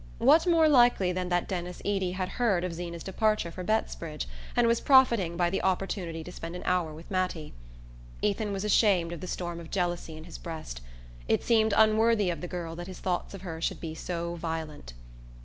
What more likely than that Denis Eady had heard of Zeena's departure for Bettsbridge, and was profiting by the opportunity to spend an hour with Mattie? Ethan was ashamed of the storm of jealousy in his breast. It seemed unworthy of the girl that his thoughts of her should be so violent.